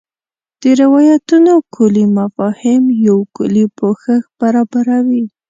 د روایتونو کُلي مفاهیم یو کُلي پوښښ برابروي.